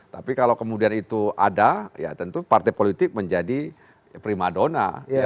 tapi kalau kemudian itu ada ya tentu partai politik menjadi primadona